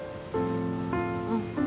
うん。